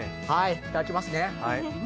いただきますね。